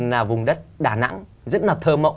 là vùng đất đà nẵng rất là thơ mộng